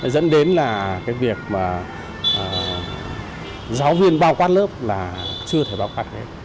dẫn đến là việc giáo viên bao quát lớp là chưa thể bao quát hết